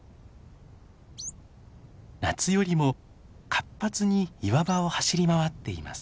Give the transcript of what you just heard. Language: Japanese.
夏よりも活発に岩場を走り回っています。